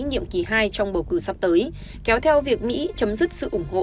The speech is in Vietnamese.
nhiệm kỳ hai trong bầu cử sắp tới kéo theo việc mỹ chấm dứt sự ủng hộ